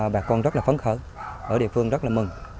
bà con rất là phấn khởi ở địa phương rất là mừng